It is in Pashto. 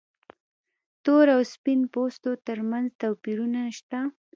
تور او سپین پوستو تر منځ توپیرونه شته.